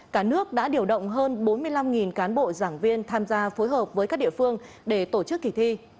cả nước đã điều động hơn bốn mươi năm cán bộ giảng viên tham gia phối hợp với các địa phương để tổ chức kỳ thi